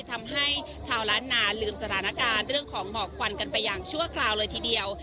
ทำให้ชาวล้านนาลืมสถานการณ์เรื่องของหมอกควันกันไปอย่างชั่วคราวเลยทีเดียว